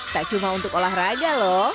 tak cuma untuk olahraga lho